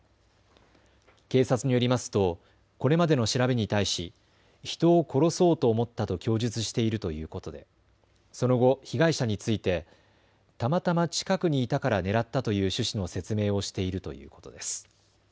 警察によりますとこれまでの調べに対し人を殺そうと思ったと供述しているということでその後、被害者についてたまたま近くにいたから狙ったという趣旨の説明をしているということです。